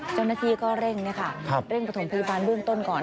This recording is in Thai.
เจ้าหน้าที่ก็เร่งเร่งประถมพยาบาลเบื้องต้นก่อน